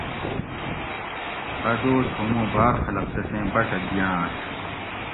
اۤ دوس ھوموں باۤر خلق تسیں بٹہ دیاںش